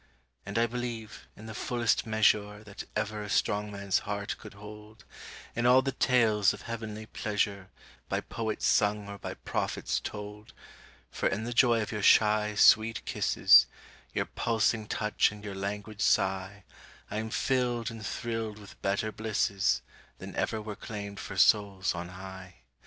And I believe, in the fullest measure That ever a strong man's heart could hold, In all the tales of heavenly pleasure By poets sung or by prophets told; For in the joy of your shy, sweet kisses, Your pulsing touch and your languid sigh I am filled and thrilled with better blisses Than ever were claimed for souls on high.